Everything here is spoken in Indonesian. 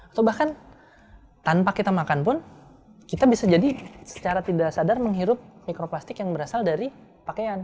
atau bahkan tanpa kita makan pun kita bisa jadi secara tidak sadar menghirup mikroplastik yang berasal dari pakaian